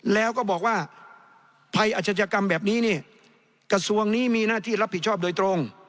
แล้วก็บอกว่าภัยอาชญากรรมแบบนี้เนี่ยกระทรวงนี้มีหน้าที่รับผิดชอบโดยตรง